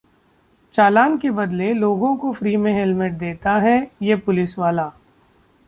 चालान के बदले लोगों को फ्री में हेलमेट देता है ये पुलिसवाला!